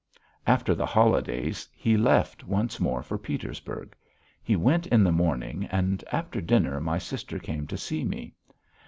After the holidays he left once more for Petersburg. He went in the morning and after dinner my sister came to see me.